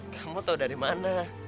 kamu tau dari mana